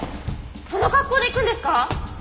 その格好で行くんですか？